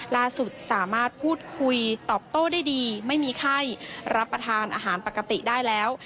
ล่าสุดสามารถพูดคุยตอบโต้ได้ดีไม่มีไข้รับประทานอาหารปกติได้แล้ว